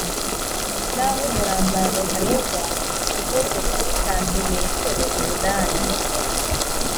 naho umurambararo ntarengwa ugeze kuri santimetero umunani